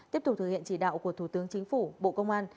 tiếp tục thực hiện chỉ đạo của thủ tướng chính phủ bộ công an